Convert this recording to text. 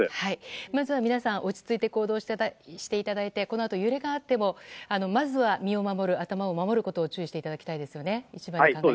まずは皆さん落ち着いて行動していただいてこのあと揺れがあってもまずは身を守る頭を守ることを注意していただきたいですよね。